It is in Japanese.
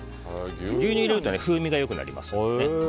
牛乳を入れると風味が良くなりますのでね。